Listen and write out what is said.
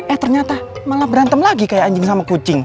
eh ternyata malah berantem lagi kayak anjing sama kucing